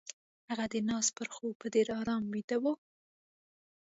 هغه د ناز پر خوب په ډېر آرام ويده وه.